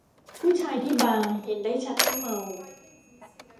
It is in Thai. ผู้ชายที่บาร์เห็นได้ชัดว่าเมา